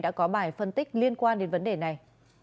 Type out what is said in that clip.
đã có bài phân tích liên quan đến vấn đề này